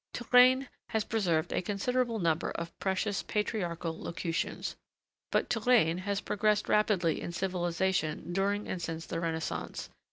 Touraine has preserved a considerable number of precious patriarchal locutions. But Touraine has progressed rapidly in civilization during and since the Renaissance.